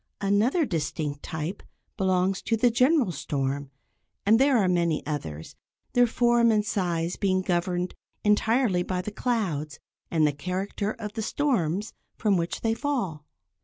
Another distinct type belongs to the general storm, and there are many others, their form and size being governed entirely by the clouds and the character of the storms from which they fall.